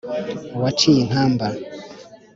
waciye inkamba.